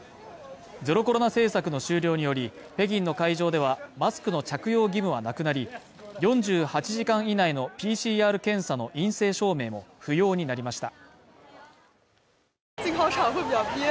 ゼロコロナ政策の終了により、北京の会場ではマスクの着用義務はなくなり、４８時間以内のＰＣＲ検査の陰性証明も不要になりました。